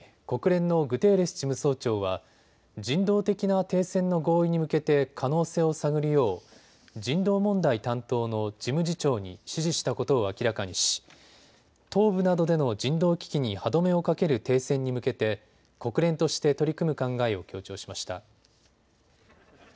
国連のグテーレス事務総長は人道的な停戦の合意に向けて可能性を探るよう人道問題担当の事務次長に指示したことを明らかにし東部などでの人道危機に歯止めをかける停戦に向けて国連として取り組む考えを強調しました。